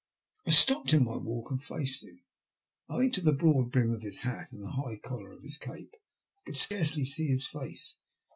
I stopped in my walk and faced him. Owing to the broad brim of his hat, and the high collar of his cape, I could scarcely see his face.